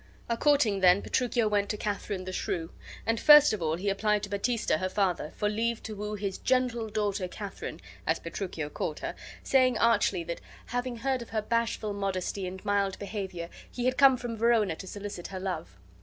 A courting, then, Petruchio went to Katharine the Shrew; and first of all he applied to Baptista, her father, for leave to woo his GENTLE DAUGHTER Katharine, as Petruchio called her, saying, archly, that, having heard of her bashful modesty and mild behavior, he had come from Verona to solicit her love.